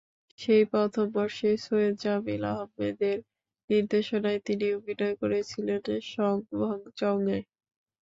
সেই প্রথম বর্ষেই সৈয়দ জামিল আহমেদের নির্দেশনায় তিনি অভিনয় করেছিলেন সঙ-ভঙ-চঙ-এ।